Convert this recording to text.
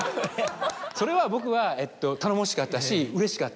それは僕は頼もしかったしうれしかった。